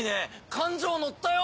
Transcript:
感情のったよ。